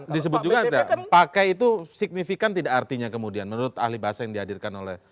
disebut juga pakai itu signifikan tidak artinya kemudian menurut ahli bahasa yang dihadirkan oleh